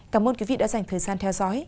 cảm ơn quý vị đã dành thời gian theo dõi